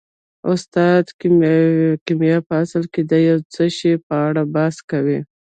استاده کیمیا په اصل کې د څه شي په اړه بحث کوي